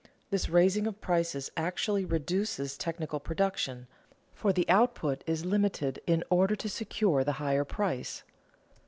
This raising of prices actually reduces technical production, for the output is limited in order to secure the higher price.